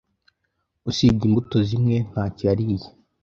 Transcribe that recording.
Usibye imbuto zimwe, ntacyo yariye.